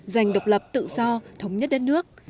giành độc lập tự do thống nhất đất nước